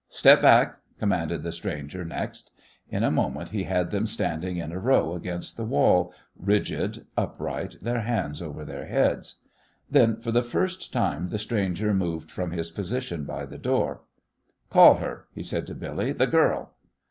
"Step back," commanded the stranger next. In a moment he had them standing in a row against the wall, rigid, upright, their hands over their heads. Then for the first time the stranger moved from his position by the door. "Call her," he said to Billy, "th' girl."